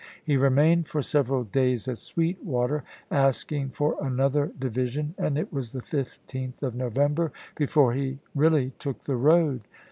He remained for several days at Sweetwater, asking for another divi sion, and it was the 15th of November before he re ally took the road.